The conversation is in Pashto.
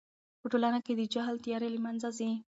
په ټولنه کې د جهل تیارې له منځه ځي.